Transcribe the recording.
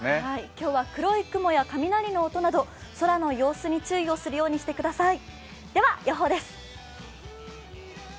今日は黒い雲や雷の音など空の様子に注意をするようにしてください。